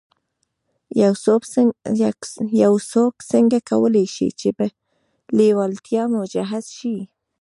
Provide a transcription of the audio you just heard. يو څوک څنګه کولای شي چې پر لېوالتیا مجهز شي.